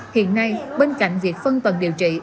hiện nay bên cạnh việc phân tầng điều trị